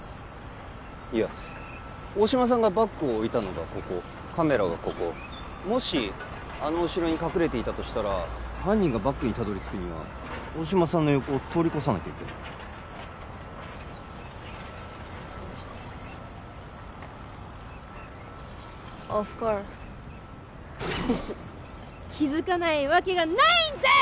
いや大島さんがバッグを置いたのがここカメラがここもしあの後ろに隠れていたとしたら犯人がバッグにたどり着くには大島さんの横を通り越さなきゃいけないオフコースビシッ気づかないわけがないんデス！